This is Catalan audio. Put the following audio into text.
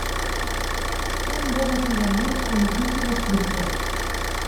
Un desafiament a l’ofici d’escriptor.